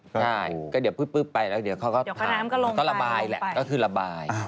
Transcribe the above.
ใช่ก็เดี๋ยวปุ๊บไปแล้วเดี๋ยวเขาก็ระบายแหละก็คือระบาย